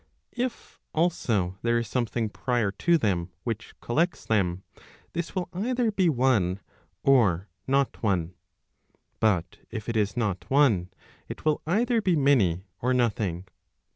If, also, there is something prior to them which collects them, this will either be one, or not one. But if it is not one, it will either be many or nothing.